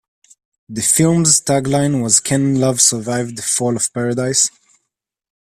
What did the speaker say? The film's tagline was Can love survive the fall of paradise?